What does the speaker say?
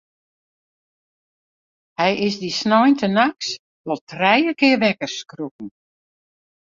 Hja is dy sneintenachts wol trije kear wekker skrokken.